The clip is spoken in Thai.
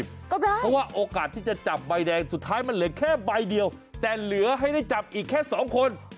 เพราะว่าโอกาสที่จะจับใบแดงสุดท้ายมันเหลือแค่ใบเดียวแต่เหลือให้ได้จับอีกแค่สองคน